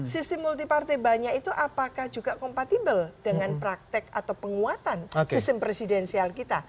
sistem multi partai banyak itu apakah juga kompatibel dengan praktek atau penguatan sistem presidensial kita